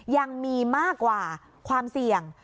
ยังมีมากกว่าความเสี่ยง